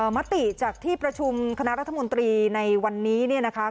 มติจากที่ประชุมคณะรัฐมนตรีในวันนี้เนี่ยนะคะ